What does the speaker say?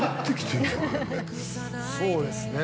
そうですね